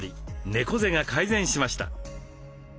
猫背が改善しました。